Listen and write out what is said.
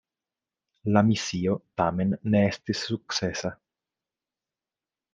La misio tamen ne estis sukcesa.